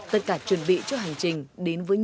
tất cả chuẩn bị cho hành trình đến với tỉnh